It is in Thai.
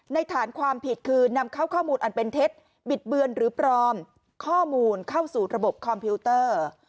ฐานความผิดคือนำเข้าข้อมูลอันเป็นเท็จบิดเบือนหรือปลอมข้อมูลเข้าสู่ระบบคอมพิวเตอร์